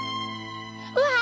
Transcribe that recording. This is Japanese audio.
うわ！